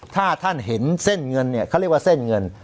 ถ้าท่านเห็นเส้นเงินเนี่ยเขาเรียกว่าเส้นเงิน